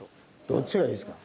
どっちがいいですか？